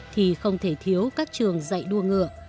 thì không thể thiếu các trường dạy đua ngựa